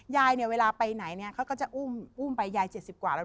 ยายเวลาไปไหนเขาก็จะอุ้มไปยาย๗๐กว่าแล้ว